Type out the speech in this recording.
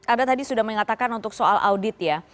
anda tadi sudah mengatakan untuk soal audit ya